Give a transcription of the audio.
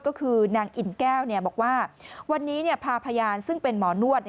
ก็คือนางอิ่นแก้วบอกว่าวันนี้พาพยานซึ่งเป็นหมอนวด